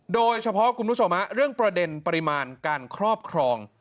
คุณผู้ชมเรื่องประเด็นปริมาณการครอบครอง